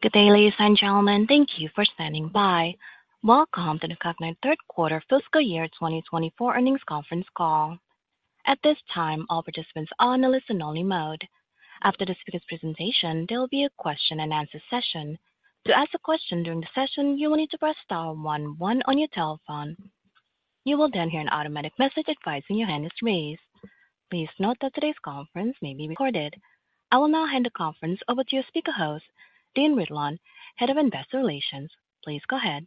Good day, ladies and gentlemen. Thank you for standing by. Welcome to the Cognyte third quarter fiscal year 2024 earnings conference call. At this time, all participants are in a listen-only mode. After the speaker's presentation, there will be a question-and-answer session. To ask a question during the session, you will need to press star one one on your telephone. You will then hear an automatic message advising your hand is raised. Please note that today's conference may be recorded. I will now hand the conference over to your speaker host, Dean Ridlon, Head of Investor Relations. Please go ahead.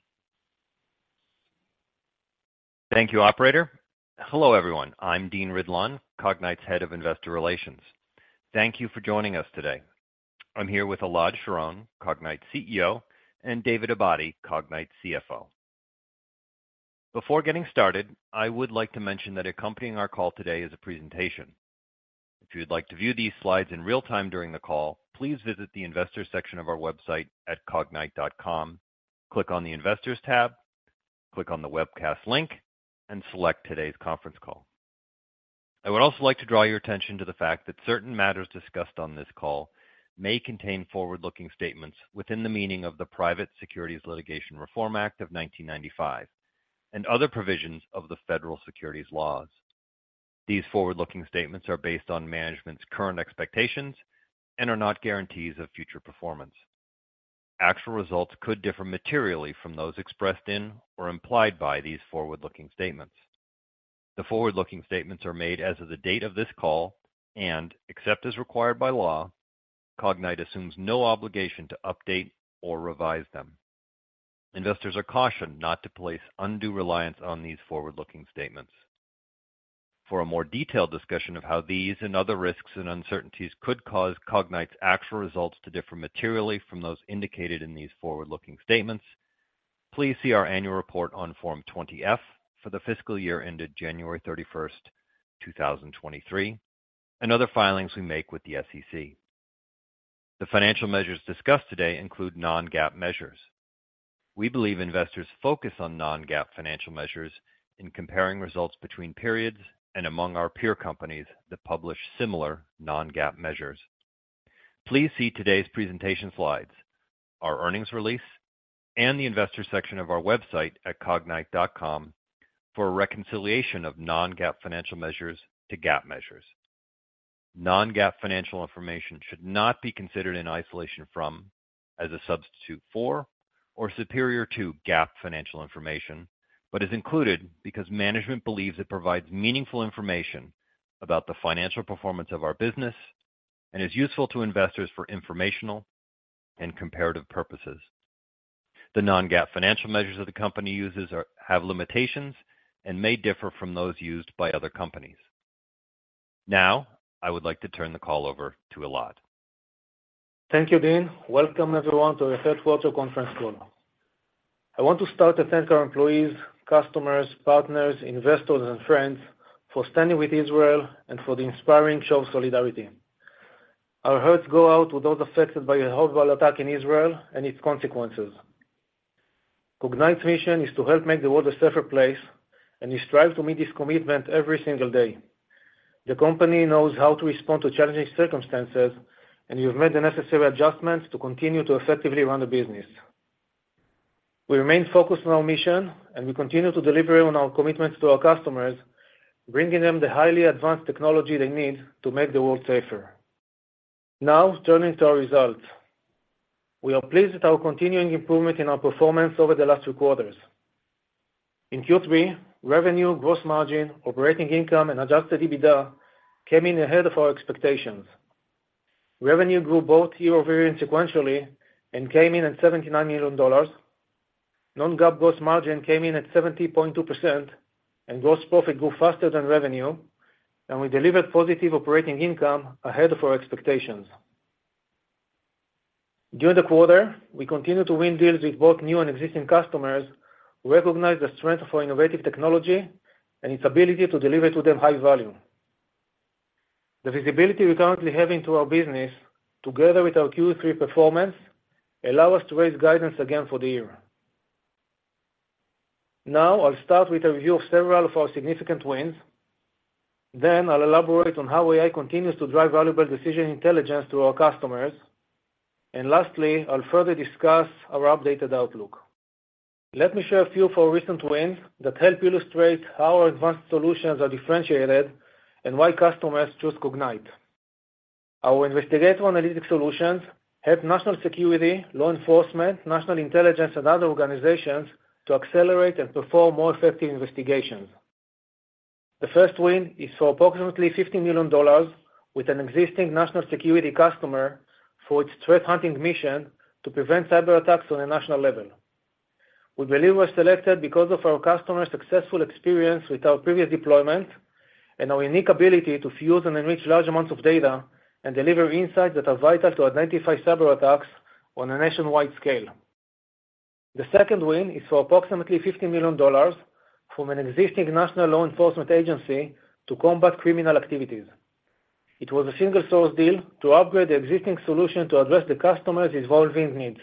Thank you, operator. Hello, everyone. I'm Dean Ridlon, Cognyte's Head of Investor Relations. Thank you for joining us today. I'm here with Elad Sharon, Cognyte CEO, and David Abadi, Cognyte CFO. Before getting started, I would like to mention that accompanying our call today is a presentation. If you'd like to view these slides in real time during the call, please visit the investors section of our website at cognyte.com, click on the Investors tab, click on the Webcast link, and select today's conference call. I would also like to draw your attention to the fact that certain matters discussed on this call may contain forward-looking statements within the meaning of the Private Securities Litigation Reform Act of 1995 and other provisions of the federal securities laws. These forward-looking statements are based on management's current expectations and are not guarantees of future performance. Actual results could differ materially from those expressed in or implied by these forward-looking statements. The forward-looking statements are made as of the date of this call, and, except as required by law, Cognyte assumes no obligation to update or revise them. Investors are cautioned not to place undue reliance on these forward-looking statements. For a more detailed discussion of how these and other risks and uncertainties could cause Cognyte's actual results to differ materially from those indicated in these forward-looking statements, please see our annual report on Form 20-F for the fiscal year ended January 31, 2023, and other filings we make with the SEC. The financial measures discussed today include non-GAAP measures. We believe investors focus on non-GAAP financial measures in comparing results between periods and among our peer companies that publish similar non-GAAP measures. Please see today's presentation slides, our earnings release, and the investor section of our website at cognyte.com for a reconciliation of non-GAAP financial measures to GAAP measures. Non-GAAP financial information should not be considered in isolation from, as a substitute for, or superior to GAAP financial information, but is included because management believes it provides meaningful information about the financial performance of our business and is useful to investors for informational and comparative purposes. The non-GAAP financial measures that the company uses are, have limitations and may differ from those used by other companies. Now, I would like to turn the call over to Elad. Thank you, Dean. Welcome, everyone, to our third quarter conference call. I want to start to thank our employees, customers, partners, investors, and friends for standing with Israel and for the inspiring show of solidarity. Our hearts go out to those affected by the horrible attack in Israel and its consequences. Cognyte's mission is to help make the world a safer place, and we strive to meet this commitment every single day. The company knows how to respond to challenging circumstances, and we have made the necessary adjustments to continue to effectively run the business. We remain focused on our mission, and we continue to deliver on our commitments to our customers, bringing them the highly advanced technology they need to make the world safer. Now, turning to our results. We are pleased with our continuing improvement in our performance over the last two quarters. In Q3, revenue, gross margin, operating income, and adjusted EBITDA came in ahead of our expectations. Revenue grew both year-over-year and sequentially and came in at $79 million. Non-GAAP gross margin came in at 70.2%, and gross profit grew faster than revenue, and we delivered positive operating income ahead of our expectations. During the quarter, we continued to win deals with both new and existing customers, recognize the strength of our innovative technology and its ability to deliver to them high value. The visibility we currently have into our business, together with our Q3 performance, allow us to raise guidance again for the year. Now, I'll start with a review of several of our significant wins, then I'll elaborate on how AI continues to drive valuable decision intelligence to our customers, and lastly, I'll further discuss our updated outlook. Let me share a few of our recent wins that help illustrate how our advanced solutions are differentiated and why customers choose Cognyte. Our investigative analytics solutions help national security, law enforcement, national intelligence, and other organizations to accelerate and perform more effective investigations. The first win is for approximately $50 million with an existing national security customer for its threat hunting mission to prevent cyberattacks on a national level. We believe we're selected because of our customer's successful experience with our previous deployment and our unique ability to fuse and enrich large amounts of data and deliver insights that are vital to identify cyberattacks on a nationwide scale. The second win is for approximately $50 million from an existing national law enforcement agency to combat criminal activities. It was a single-source deal to upgrade the existing solution to address the customer's evolving needs.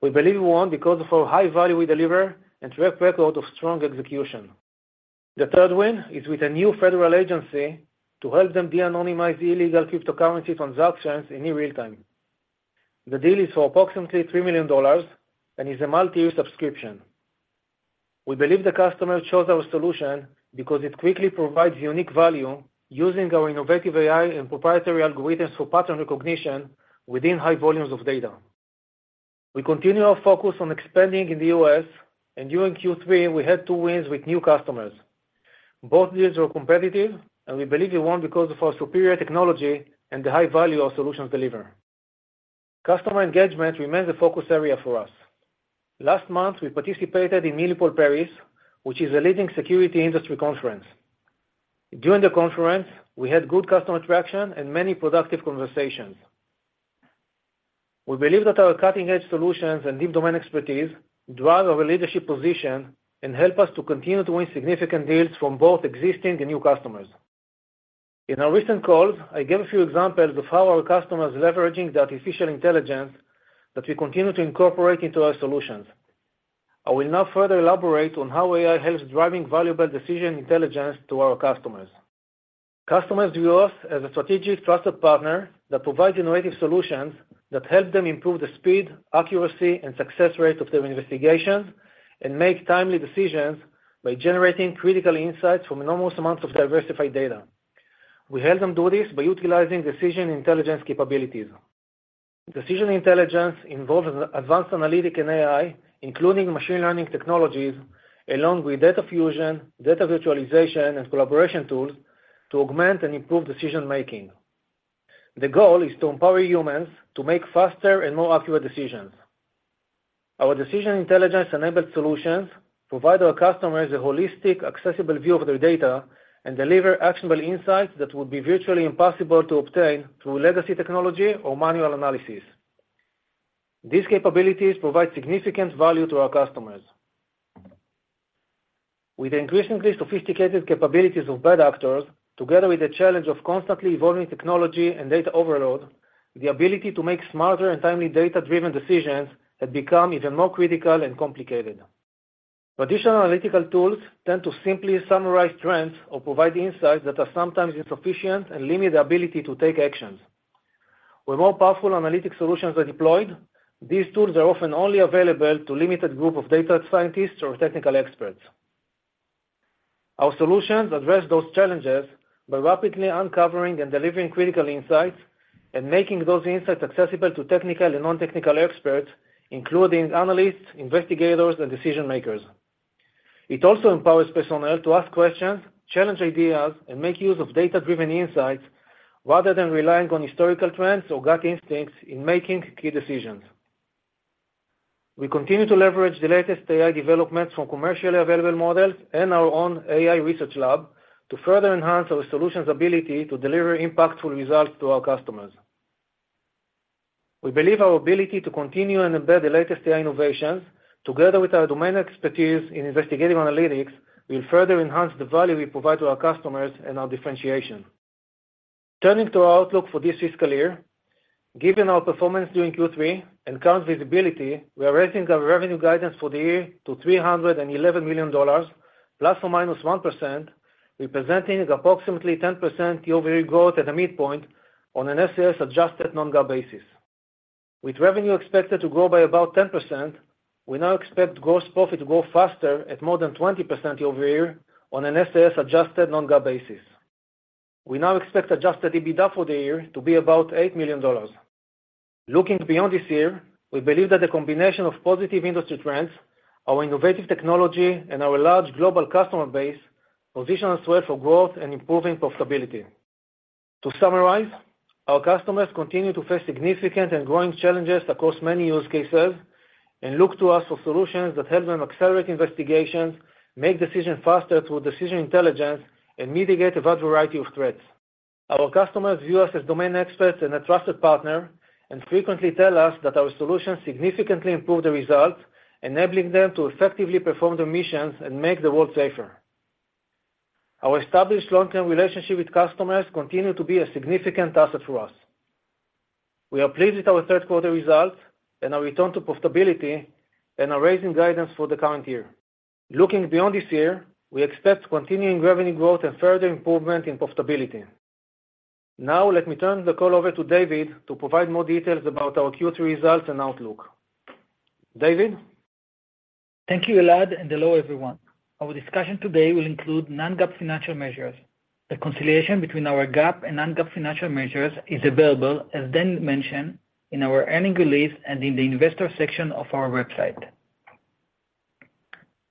We believe we won because of our high value we deliver and track record of strong execution. The third win is with a new federal agency to help them de-anonymize illegal cryptocurrency transactions in near real time. The deal is for approximately $3 million and is a multi-year subscription. We believe the customer chose our solution because it quickly provides unique value using our innovative AI and proprietary algorithms for pattern recognition within high volumes of data. We continue our focus on expanding in the U.S., and during Q3, we had two wins with new customers. Both deals were competitive, and we believe we won because of our superior technology and the high value our solutions deliver. Customer engagement remains a focus area for us. Last month, we participated in Milipol Paris, which is a leading security industry conference. During the conference, we had good customer traction and many productive conversations. We believe that our cutting-edge solutions and deep domain expertise drive our leadership position and help us to continue to win significant deals from both existing and new customers. In our recent calls, I gave a few examples of how our customers leveraging the artificial intelligence that we continue to incorporate into our solutions. I will now further elaborate on how AI helps driving valuable decision intelligence to our customers. Customers view us as a strategic trusted partner that provides innovative solutions that help them improve the speed, accuracy, and success rate of their investigations, and make timely decisions by generating critical insights from enormous amounts of diversified data. We help them do this by utilizing decision intelligence capabilities. Decision Intelligence involves an advanced analytics and AI, including machine learning technologies, along with data fusion, data virtualization, and collaboration tools to augment and improve decision making. The goal is to empower humans to make faster and more accurate decisions. Our Decision Intelligence-enabled solutions provide our customers a holistic, accessible view of their data and deliver actionable insights that would be virtually impossible to obtain through legacy technology or manual analysis. These capabilities provide significant value to our customers. With the increasingly sophisticated capabilities of bad actors, together with the challenge of constantly evolving technology and data overload, the ability to make smarter and timely data-driven decisions has become even more critical and complicated. Traditional analytical tools tend to simply summarize trends or provide insights that are sometimes insufficient and limit the ability to take actions. When more powerful analytic solutions are deployed, these tools are often only available to limited group of data scientists or technical experts. Our solutions address those challenges by rapidly uncovering and delivering critical insights and making those insights accessible to technical and non-technical experts, including analysts, investigators, and decision-makers. It also empowers personnel to ask questions, challenge ideas, and make use of data-driven insights, rather than relying on historical trends or gut instincts in making key decisions. We continue to leverage the latest AI developments from commercially available models and our own AI research lab, to further enhance our solutions ability to deliver impactful results to our customers. We believe our ability to continue and embed the latest AI innovations, together with our domain expertise in investigative analytics, will further enhance the value we provide to our customers and our differentiation. Turning to our outlook for this fiscal year, given our performance during Q3 and current visibility, we are raising our revenue guidance for the year to $311 million, ±1%, representing approximately 10% year-over-year growth at the midpoint on a SIS-adjusted non-GAAP basis. With revenue expected to grow by about 10%, we now expect gross profit to grow faster at more than 20% year-over-year on a SIS-adjusted non-GAAP basis. We now expect adjusted EBITDA for the year to be about $8 million. Looking beyond this year, we believe that the combination of positive industry trends, our innovative technology, and our large global customer base, position us well for growth and improving profitability. To summarize, our customers continue to face significant and growing challenges across many use cases, and look to us for solutions that help them accelerate investigations, make decisions faster through decision intelligence, and mitigate a wide variety of threats. Our customers view us as domain experts and a trusted partner, and frequently tell us that our solutions significantly improve the results, enabling them to effectively perform their missions and make the world safer. Our established long-term relationship with customers continue to be a significant asset for us. We are pleased with our third quarter results and our return to profitability, and are raising guidance for the current year. Looking beyond this year, we expect continuing revenue growth and further improvement in profitability. Now, let me turn the call over to David to provide more details about our Q3 results and outlook. David? Thank you, Elad, and hello, everyone. Our discussion today will include non-GAAP financial measures. The reconciliation between our GAAP and non-GAAP financial measures is available, as Dean mentioned, in our earnings release and in the investor section of our website.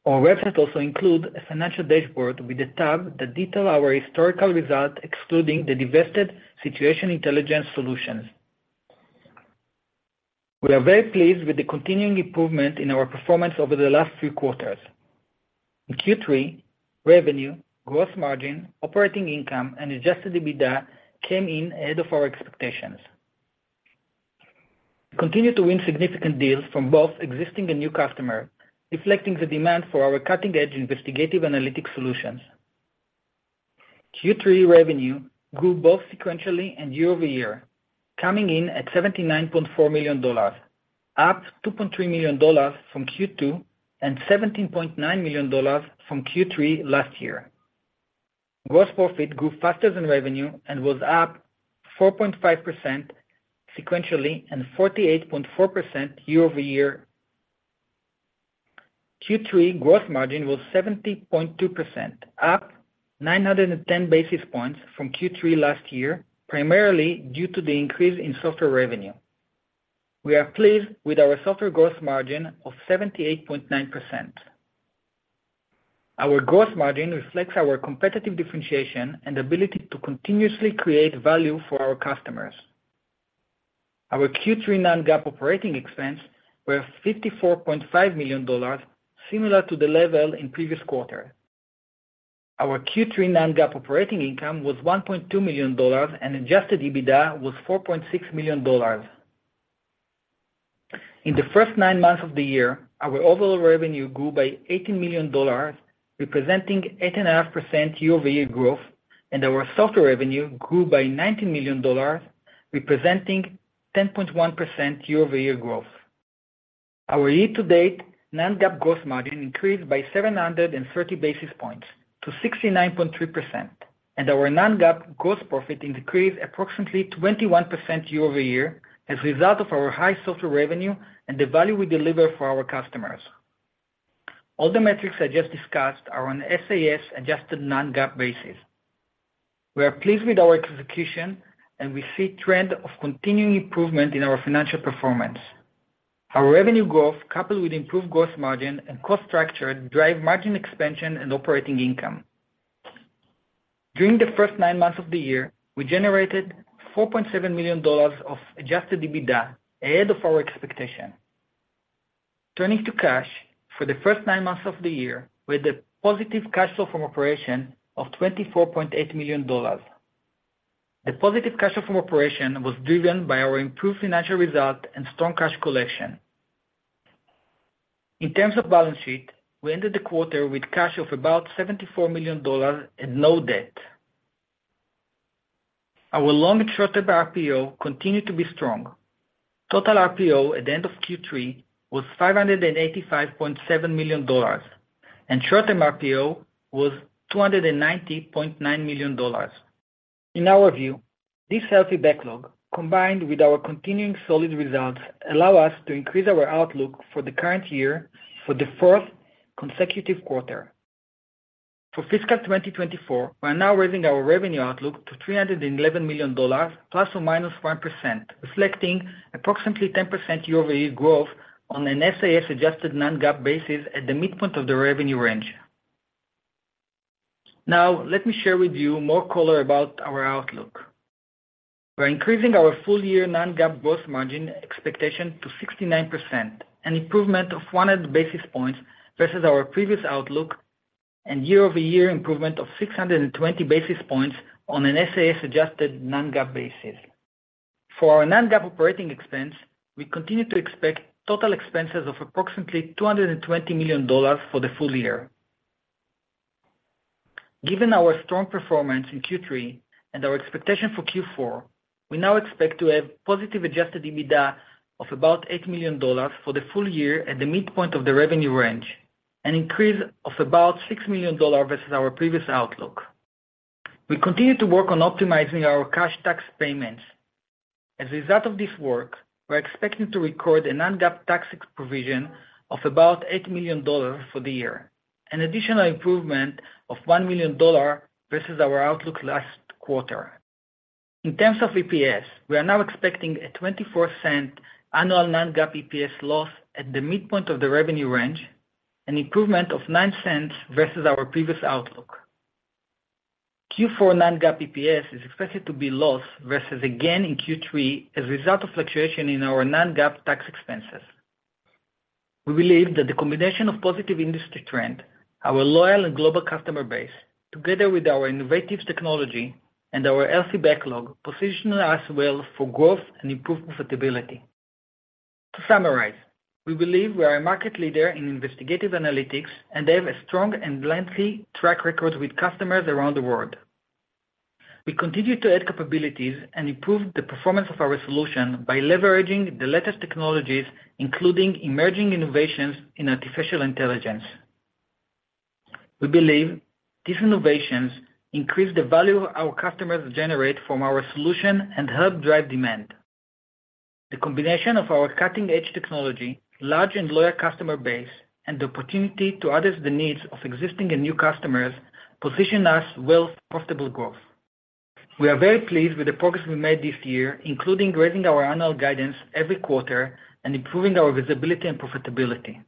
Our website also includes a financial dashboard with a tab that details our historical results, excluding the divested Situational Intelligence Solutions. We are very pleased with the continuing improvement in our performance over the last few quarters. In Q3, revenue, gross margin, operating income, and adjusted EBITDA came in ahead of our expectations. We continue to win significant deals from both existing and new customers, reflecting the demand for our cutting-edge investigative analytics solutions. Q3 revenue grew both sequentially and year-over-year, coming in at $79.4 million, up $2.3 million from Q2, and $17.9 million from Q3 last year. Gross profit grew faster than revenue and was up 4.5% sequentially and 48.4% year-over-year. Q3 gross margin was 70.2%, up 910 basis points from Q3 last year, primarily due to the increase in software revenue. We are pleased with our software gross margin of 78.9%. Our gross margin reflects our competitive differentiation and ability to continuously create value for our customers. Our Q3 non-GAAP operating expenses were $54.5 million, similar to the level in previous quarter. Our Q3 non-GAAP operating income was $1.2 million, and Adjusted EBITDA was $4.6 million. In the first nine months of the year, our overall revenue grew by $18 million, representing 8.5% year-over-year growth, and our software revenue grew by $19 million, representing 10.1% year-over-year growth. Our year-to-date non-GAAP gross margin increased by 730 basis points to 69.3%, and our non-GAAP gross profit increased approximately 21% year-over-year as a result of our high software revenue and the value we deliver for our customers. All the metrics I just discussed are on SIS-adjusted non-GAAP basis. We are pleased with our execution, and we see trend of continuing improvement in our financial performance. Our revenue growth, coupled with improved gross margin and cost structure, drive margin expansion and operating income. During the first nine months of the year, we generated $4.7 million of Adjusted EBITDA ahead of our expectation. Turning to cash, for the first nine months of the year, we had a positive cash flow from operation of $24.8 million. The positive cash flow from operation was driven by our improved financial results and strong cash collection. In terms of balance sheet, we ended the quarter with cash of about $74 million and no debt. Our long and short-term RPO continued to be strong. Total RPO at the end of Q3 was $585.7 million, and short-term RPO was $290.9 million. In our view, this healthy backlog, combined with our continuing solid results, allow us to increase our outlook for the current year for the fourth consecutive quarter. For fiscal 2024, we are now raising our revenue outlook to $311 million, ±1%, reflecting approximately 10% year-over-year growth on a SIS-adjusted non-GAAP basis at the midpoint of the revenue range. Now, let me share with you more color about our outlook. We're increasing our full-year non-GAAP gross margin expectation to 69%, an improvement of 100 basis points versus our previous outlook, and year-over-year improvement of 620 basis points on a SIS-adjusted non-GAAP basis. For our non-GAAP operating expenses, we continue to expect total expenses of approximately $220 million for the full year. Given our strong performance in Q3 and our expectation for Q4, we now expect to have positive Adjusted EBITDA of about $8 million for the full year at the midpoint of the revenue range, an increase of about $6 million versus our previous outlook. We continue to work on optimizing our cash tax payments. As a result of this work, we're expecting to record a non-GAAP tax provision of about $8 million for the year, an additional improvement of $1 million versus our outlook last quarter. In terms of EPS, we are now expecting a 24-cent annual non-GAAP EPS loss at the midpoint of the revenue range, an improvement of 9 cents versus our previous outlook. Q4 non-GAAP EPS is expected to be a loss versus a gain in Q3 as a result of fluctuation in our non-GAAP tax expenses. We believe that the combination of positive industry trend, our loyal and global customer base, together with our innovative technology and our healthy backlog, position us well for growth and improved profitability. To summarize, we believe we are a market leader in investigative analytics and have a strong and lengthy track record with customers around the world. We continue to add capabilities and improve the performance of our solution by leveraging the latest technologies, including emerging innovations in artificial intelligence. We believe these innovations increase the value our customers generate from our solution and help drive demand. The combination of our cutting-edge technology, large and loyal customer base, and the opportunity to address the needs of existing and new customers, position us well for profitable growth. We are very pleased with the progress we made this year, including raising our annual guidance every quarter and improving our visibility and profitability.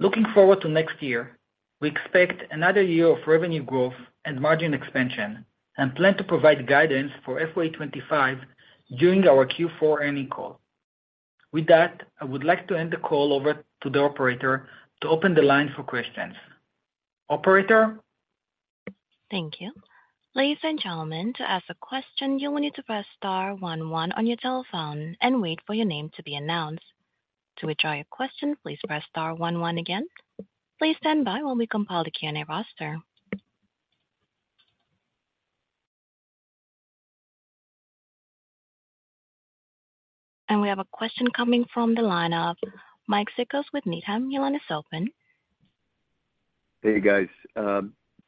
Looking forward to next year, we expect another year of revenue growth and margin expansion, and plan to provide guidance for FY 25 during our Q4 earnings call. With that, I would like to hand the call over to the operator to open the line for questions. Operator? Thank you. Ladies and gentlemen, to ask a question, you will need to press star one one on your telephone and wait for your name to be announced. To withdraw your question, please press star one, one again. Please stand by while we compile the Q&A roster. We have a question coming from the line of Mike Cikos with Needham, Your line is open. Hey, guys.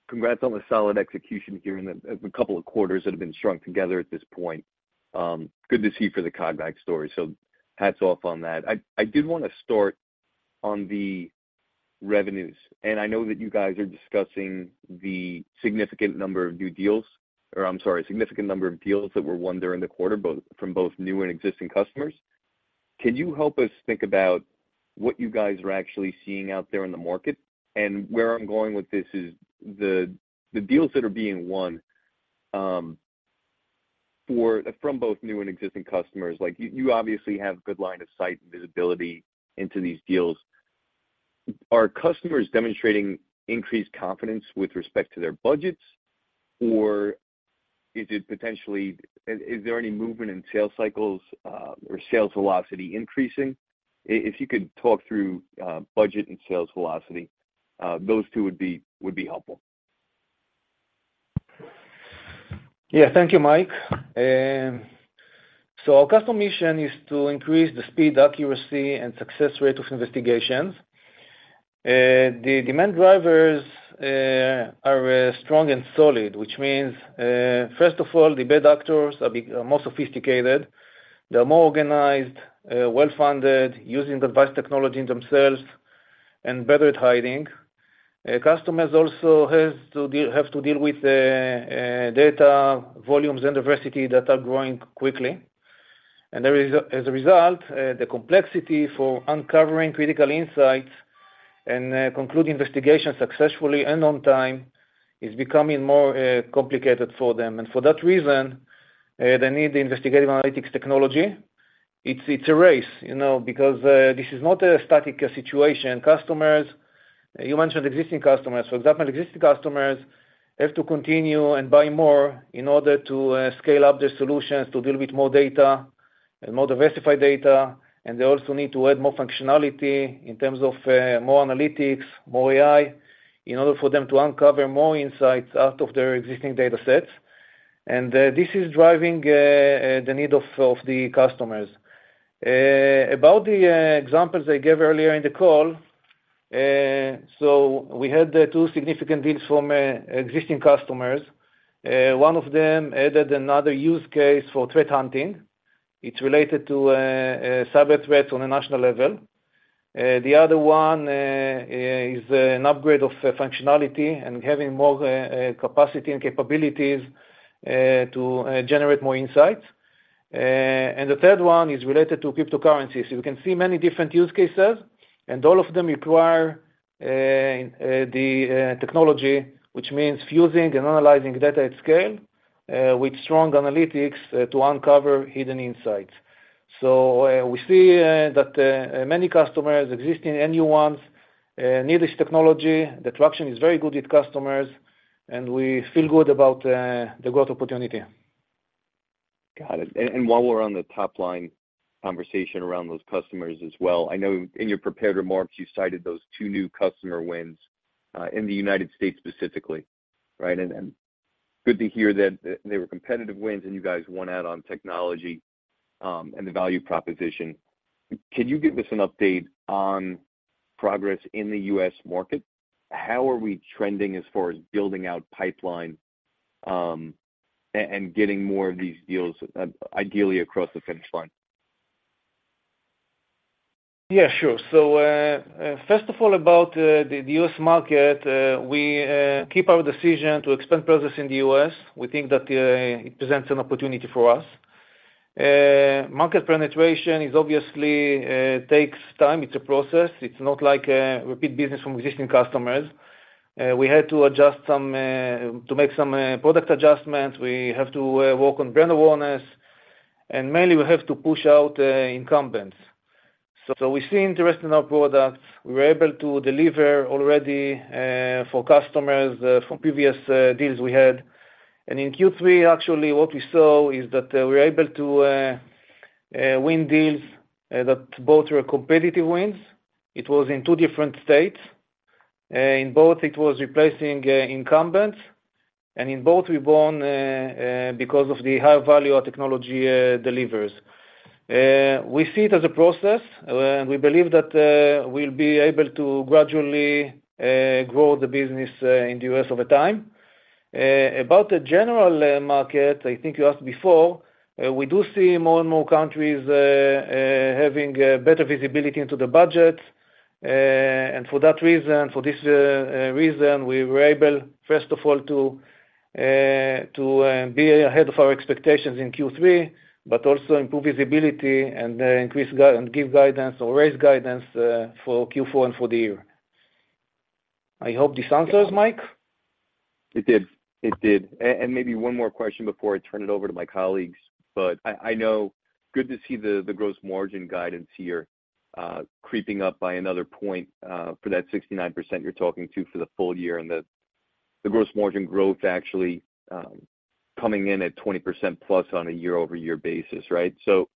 Congrats on the solid execution here in the a couple of quarters that have been shrunk together at this point. Good to see for the Cognyte story, so hats off on that. I did wanna start on the revenues, and I know that you guys are discussing the significant number of new deals, or I'm sorry, significant number of deals that were won during the quarter, both from both new and existing customers. Can you help us think about what you guys are actually seeing out there in the market? And where I'm going with this is the deals that are being won from both new and existing customers, like you obviously have good line of sight and visibility into these deals. Are customers demonstrating increased confidence with respect to their budgets? Or is it potentially? Is there any movement in sales cycles, or sales velocity increasing? If you could talk through budget and sales velocity, those two would be, would be helpful. Yeah. Thank you, Mike. So our core mission is to increase the speed, accuracy, and success rate of investigations. The demand drivers are strong and solid, which means first of all, the bad actors are more sophisticated. They are more organized, well-funded, using advanced technology themselves, and better at hiding. Customers also have to deal with the data volumes and diversity that are growing quickly. And there is, as a result, the complexity for uncovering critical insights and conclude investigations successfully and on time, is becoming more complicated for them. And for that reason, they need the investigative analytics technology. It's a race, you know, because this is not a static situation. Customers, you mentioned existing customers, so existing customers have to continue and buy more in order to scale up the solutions to deal with more data and more diversified data. And they also need to add more functionality in terms of more analytics, more AI, in order for them to uncover more insights out of their existing data sets. And this is driving the need of the customers. About the examples I gave earlier in the call, so we had two significant deals from existing customers. One of them added another use case for threat hunting. It's related to cyber threats on a national level. The other one is an upgrade of functionality and having more capacity and capabilities to generate more insights. And the third one is related to cryptocurrencies. You can see many different use cases, and all of them require the technology, which means fusing and analyzing data at scale with strong analytics to uncover hidden insights. So we see that many customers existing, and new ones need this technology. The traction is very good with customers, and we feel good about the growth opportunity. Got it. And while we're on the top line conversation around those customers as well, I know in your prepared remarks, you cited those two new customer wins in the United States specifically, right? And good to hear that they were competitive wins, and you guys won out on technology and the value proposition. Can you give us an update on progress in the U.S. market? How are we trending as far as building out pipeline and getting more of these deals, ideally across the finish line? Yeah, sure. So, first of all, about the US market, we keep our decision to expand presence in the U.S. We think that it presents an opportunity for us. Market penetration is obviously takes time, it's a process. It's not like repeat business from existing customers. We had to adjust some to make some product adjustments. We have to work on brand awareness, and mainly we have to push out incumbents. So we see interest in our products. We're able to deliver already for customers from previous deals we had. And in Q3, actually, what we saw is that we're able to win deals that both were competitive wins. It was in two different states, in both it was replacing incumbents, and in both we won because of the high value our technology delivers. We see it as a process, we believe that we'll be able to gradually grow the business in the U.S. over time. About the general market, I think you asked before, we do see more and more countries having better visibility into the budget. And for that reason, for this reason, we were able, first of all, to be ahead of our expectations in Q3, but also improve visibility and increase and give guidance or raise guidance for Q4 and for the year. I hope this answers, Mike? It did. It did. And maybe one more question before I turn it over to my colleagues, but I know, good to see the gross margin guidance here creeping up by another point for that 69% you're talking to for the full year and the gross margin growth actually coming in at 20%+ on a year-over-year basis, right? So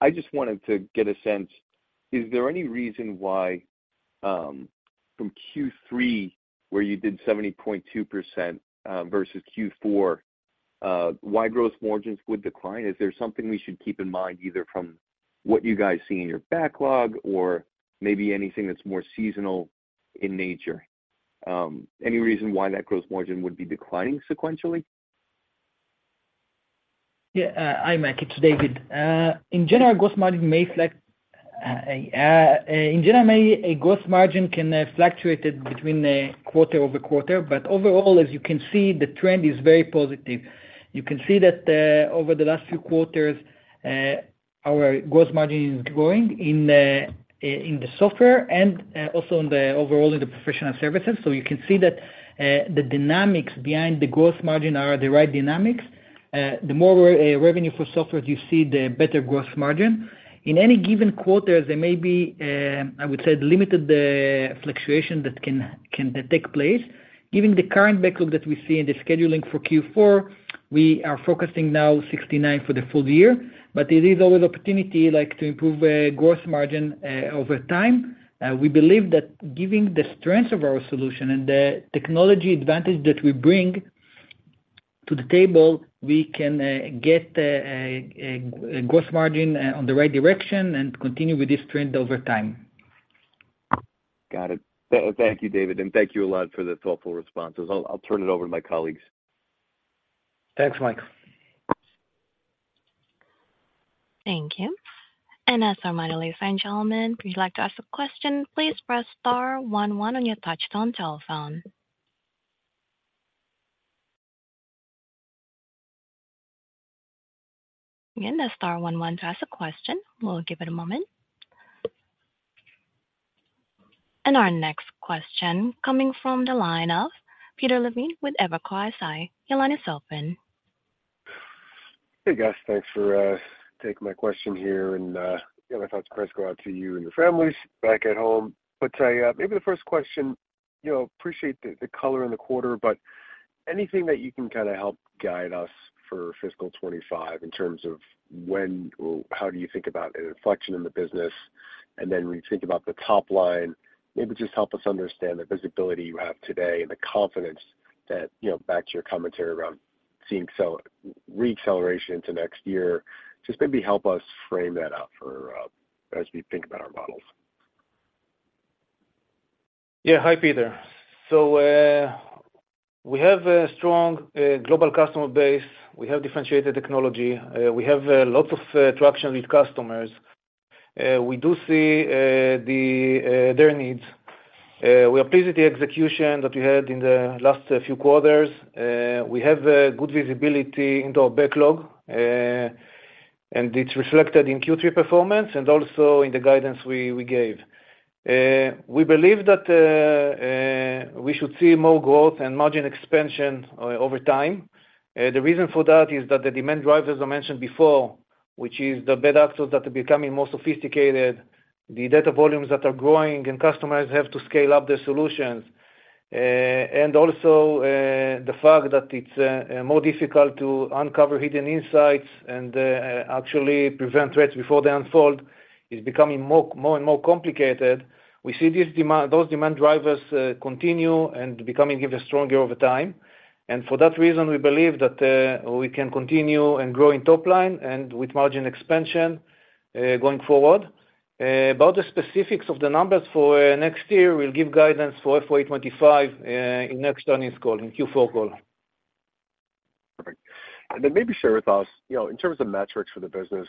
I just wanted to get a sense, is there any reason why from Q3, where you did 70.2%, versus Q4, why gross margins would decline? Is there something we should keep in mind, either from what you guys see in your backlog or maybe anything that's more seasonal in nature? Any reason why that gross margin would be declining sequentially? Yeah, hi, Mike, it's David. In general, gross margin may flex. In general, a gross margin can fluctuate between a quarter-over-quarter, but overall, as you can see, the trend is very positive. You can see that, over the last few quarters, our gross margin is growing in the software and also in the overall in the professional services. So you can see that, the dynamics behind the gross margin are the right dynamics. The more revenue for software, you see the better gross margin. In any given quarter, there may be, I would say, limited fluctuation that can take place. Given the current backlog that we see in the scheduling for Q4, we are focusing now 69 for the full year. But there is always opportunity, like, to improve gross margin over time. We believe that giving the strength of our solution and the technology advantage that we bring to the table, we can get a gross margin on the right direction and continue with this trend over time. Got it. Thank you, David, and thank you a lot for the thoughtful responses. I'll turn it over to my colleagues. Thanks, Mike. Thank you. And as a reminder, ladies and gentlemen, if you'd like to ask a question, please press star one one on your touchtone telephone. Again, that's star one one to ask a question. We'll give it a moment. And our next question coming from the line of Peter Levine with Evercore ISI. Your line is open. Hey, guys. Thanks for taking my question here, and you know, my thoughts and prayers go out to you and your families back at home. But maybe the first question, you know, appreciate the color in the quarter, but anything that you can kinda help guide us for fiscal 2025 in terms of when or how do you think about an inflection in the business? And then when you think about the top line, maybe just help us understand the visibility you have today and the confidence that, you know, back to your commentary around seeing reacceleration into next year. Just maybe help us frame that out for as we think about our models. Yeah. Hi, Peter. So, we have a strong, global customer base. We have differentiated technology. We have lots of traction with customers. We do see their needs. We are pleased with the execution that we had in the last few quarters. We have good visibility into our backlog, and it's reflected in Q3 performance and also in the guidance we gave. We believe that we should see more growth and margin expansion over time. The reason for that is that the demand drivers, as I mentioned before, which is the bad actors that are becoming more sophisticated, the data volumes that are growing, and customers have to scale up their solutions. And also, the fact that it's more difficult to uncover hidden insights and actually prevent threats before they unfold is becoming more and more complicated. We see this demand those demand drivers continue and becoming even stronger over time, and for that reason, we believe that we can continue in growing top line and with margin expansion going forward. About the specifics of the numbers for next year, we'll give guidance for FY 25 in next earnings call, in Q4 call. Perfect. And then maybe share with us, you know, in terms of metrics for the business,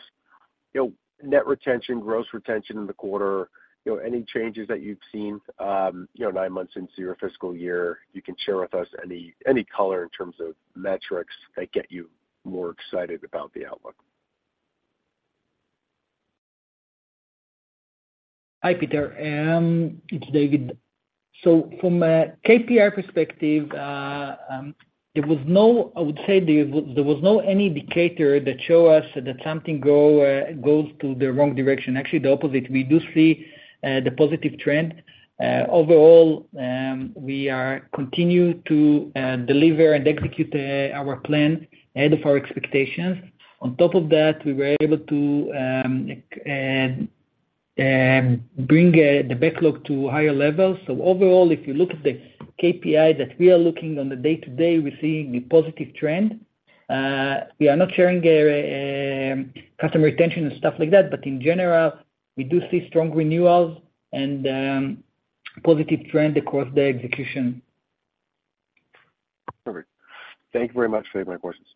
you know, net retention, gross retention in the quarter, you know, any changes that you've seen, you know, nine months into your fiscal year, you can share with us any, any color in terms of metrics that get you more excited about the outlook? Hi, Peter, it's David. So from a KPI perspective, there was no I would say, there was no any indicator that show us that something go, goes to the wrong direction. Actually, the opposite. We do see the positive trend. Overall, we are continue to deliver and execute our plan and our expectations. On top of that, we were able to bring the backlog to higher levels. So overall, if you look at the KPI that we are looking on the day-to-day, we're seeing a positive trend. We are not sharing customer retention and stuff like that, but in general, we do see strong renewals and positive trend across the execution. Perfect. Thank you very much for taking my questions.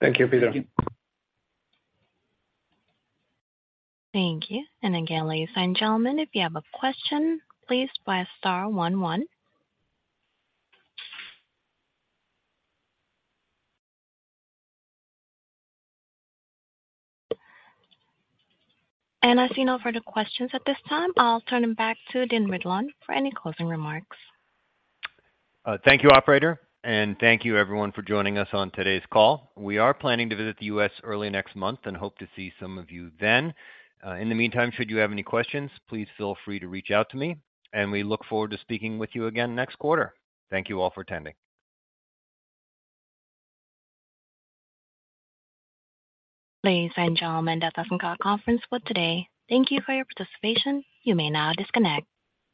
Thank you, Peter. Thank you. And again, ladies and gentlemen, if you have a question, please press star one, one. And I see no further questions at this time. I'll turn them back to Dean Ridlon for any closing remarks. Thank you, operator, and thank you everyone for joining us on today's call. We are planning to visit the U.S. early next month and hope to see some of you then. In the meantime, should you have any questions, please feel free to reach out to me, and we look forward to speaking with you again next quarter. Thank you all for attending. Ladies and gentlemen, that's us in our conference call today. Thank you for your participation. You may now disconnect.